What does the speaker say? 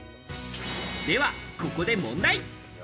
ではここで問題。